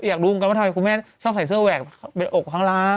อยากรู้เหมือนกันว่าทำไมคุณแม่ชอบใส่เสื้อแหวกเป็นอกข้างล่าง